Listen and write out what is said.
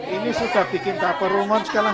ini sudah bikin dapur rumon sekarang